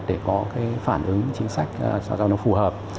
để có phản ứng chính sách do nó phù hợp